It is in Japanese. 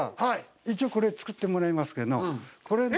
一応、これを作ってもらいますけどえっ！？